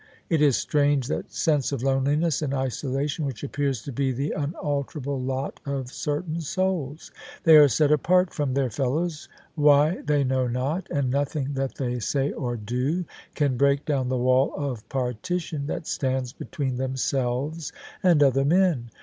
It is strange, that sense of loneliness and isolation which appears to be the unalter able lot of certain souls 1 They are set apart from their fellows, why they know not: and nothing that they say or do can break down the wall of partition that stands between themselves and other men.